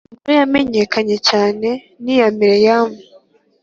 inkuru yamenyakanye cyane ni iya meriam